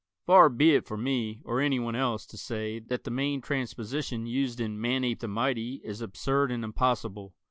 Far be it for me, or anyone else, to say that the main transposition used in "Manape the Mighty" is absurd and impossible.